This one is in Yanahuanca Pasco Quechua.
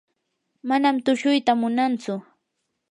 manam tushuyta munantsu.